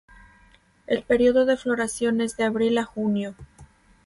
El periodo de floración es de abril a junio.